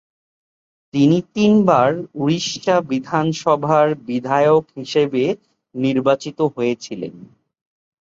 তিনি তিনবার উড়িষ্যা বিধানসভার বিধায়ক হিসেবে নির্বাচিত হয়েছিলেন।